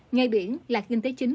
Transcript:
ngay biển là kinh tế chính